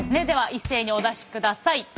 では一斉にお出しください。